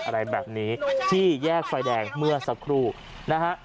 อะไรแบบนี้ที่แยกไฟแดงเมื่อสักครู่นะฮะ